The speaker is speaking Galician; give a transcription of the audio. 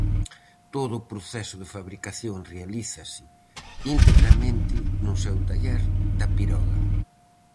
Todo o proceso de fabricación realizase integramente no seu taller da Piroga.